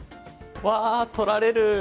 「わあ取られる」。